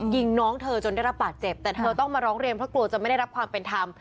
ยิงน้องเธอจนได้รับบาดเจ็บแต่เธอต้องมาร้องเรียนเพราะกลัวจะไม่ได้รับความเป็นธรรม